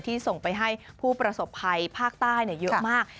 ส่งไปให้ผู้ประสบภัยภาคใต้เยอะมาก